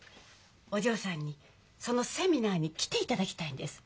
お嬢さんにそのセミナーに来ていただきたいんです。